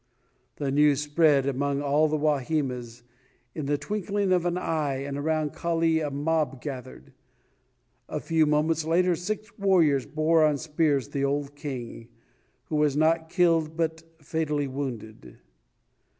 The news spread among all the Wahimas in the twinkling of an eye and around Kali a mob gathered. A few moments later six warriors bore on spears the old king, who was not killed but fatally wounded.